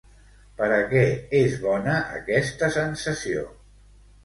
Per a què és bona, aquesta sensació?